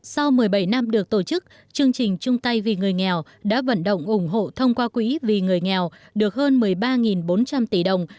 sau một mươi bảy năm được tổ chức chương trình trung tây vì người nghèo đã vận động ủng hộ thông qua quỹ vì người nghèo được hơn một mươi ba bốn trăm linh tỷ đồng